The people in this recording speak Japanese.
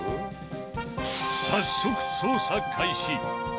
早速捜査開始！